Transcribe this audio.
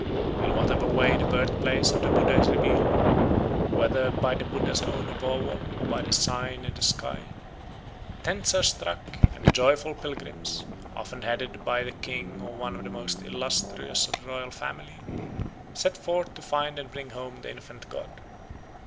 In whatever way the birthplace of the Buddha is revealed, whether by the Buddha's own avowal or by the sign in the sky, tents are struck, and the joyful pilgrims, often headed by the king or one of the most illustrious of the royal family, set forth to find and bring home the infant god.